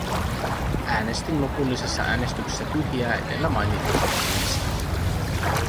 Äänestin lopullisessa äänestyksessä tyhjää edellä mainituista syistä.